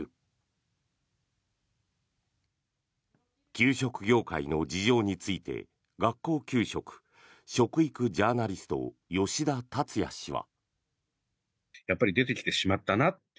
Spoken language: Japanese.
給食業界の事情について学校給食・食育ジャーナリスト吉田達也氏は。